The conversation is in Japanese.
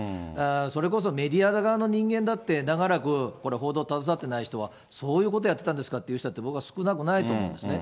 それこそメディア側の人間だって長らく報道携わってない人は、そういうことやってたんですかって、僕は少なくないと思うんですね。